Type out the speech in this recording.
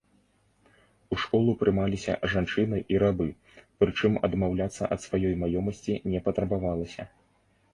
У школу прымаліся жанчыны і рабы, прычым адмаўляцца ад сваёй маёмасці не патрабавалася.